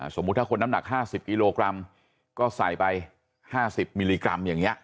สมมุติถ้าคนน้ำหนัก๕๐กิโลกรัมก็ใส่ไป๕๐มิลลิกรัมอย่างนี้